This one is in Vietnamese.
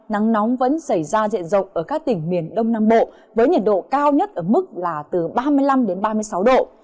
nắng nóng vẫn xảy ra diện rộng ở các tỉnh miền đông nam bộ với nhiệt độ cao nhất ở mức là từ ba mươi năm đến ba mươi sáu độ